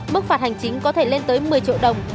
mức phạt hành chính có thể lên tới một mươi triệu đồng